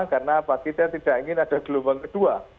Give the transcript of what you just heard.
karena pak kita tidak ingin ada gelombang kedua